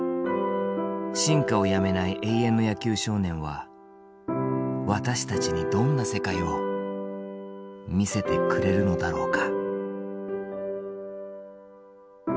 進化をやめない永遠の野球少年は私たちにどんな世界を見せてくれるのだろうか。